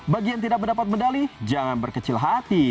bagi yang tidak mendapat medali jangan berkecil hati